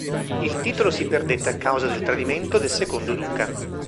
Il titolo si perdette a causa del tradimento del secondo duca.